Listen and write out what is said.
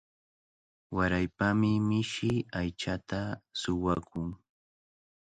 Waraypami mishi aychata suwakun.